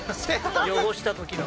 汚した時の。